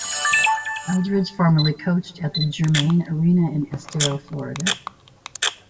Eldredge formerly coached at the Germain Arena in Estero, Florida.